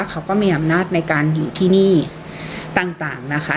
เขาก็มีอำนาจในการอยู่ที่นี่ต่างนะคะ